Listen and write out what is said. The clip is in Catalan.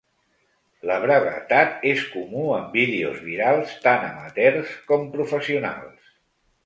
La brevetat és comú en vídeos virals tan amateurs com professionals.